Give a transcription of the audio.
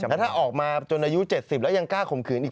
แล้วถ้าออกมาจนอายุ๗๐แล้วยังกล้าข่มขืนอีก